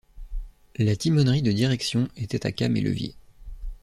La timonerie de direction était à came et levier.